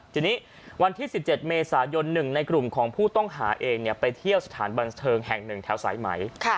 ทีนี้วันที่๑๗เมษายน๑ในกลุ่มของผู้ต้องหาเองไปเที่ยวสถานบันเทิงแห่งหนึ่งแถวสายไหม